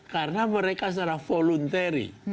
karena mereka secara voluntary